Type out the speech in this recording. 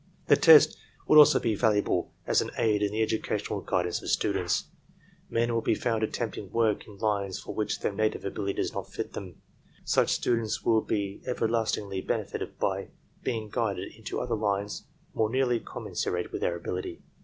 "The test would also be valuable as an aid in the educational guidance of students. Men will be found attempting work in lines for which their native ability does not fit them. Such students will be everlastingly benefited by being guided into other lines more nearly commensurate with their ability.